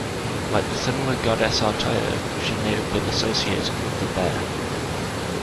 Like the similar goddess Artio, she may have been associated with the bear.